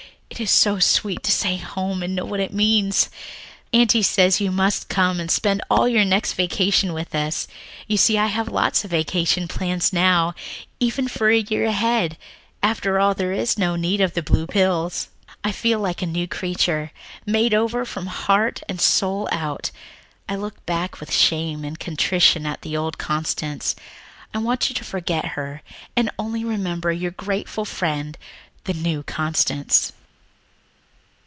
It is so sweet to say home and know what it means. "Aunty says you must come and spend all your next vacation with us. You see, I have lots of vacation plans now, even for a year ahead. After all, there is no need of the blue pills! "I feel like a new creature, made over from the heart and soul out. I look back with shame and contrition on the old Constance. I want you to forget her and only remember your grateful friend, the new Constance."